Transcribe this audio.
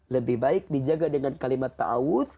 lebih baik dijaga dengan kalimat ta'awud